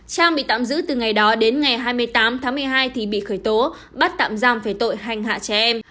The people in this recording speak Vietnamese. trang bị tạm giữ từ ngày đó đến ngày hai mươi tám tháng một mươi hai thì bị khởi tố bắt tạm giam về tội hành hạ trẻ em